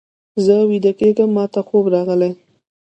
زه ویده کېږم، ماته خوب راغلی.